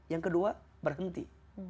yang kedua berhenti